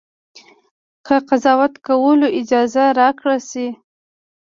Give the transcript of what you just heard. که قضاوت کولو اجازه راکړه شي.